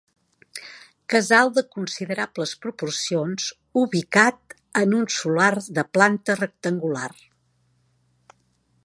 Casal de considerables proporcions ubicat en un solar de planta rectangular.